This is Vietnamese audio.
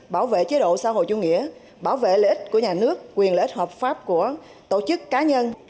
bảo vệ chế độ xã hội chủ nghĩa bảo vệ lợi ích của nhà nước quyền lợi ích hợp pháp của tổ chức cá nhân